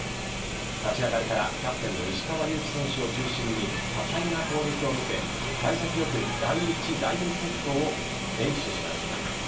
立ち上がりからキャプテンの石川祐希選手を中心に多彩な攻撃を見せ幸先良く第１・第２セットを連取します。